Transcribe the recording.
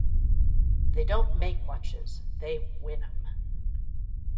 They don't make watches, they win 'em.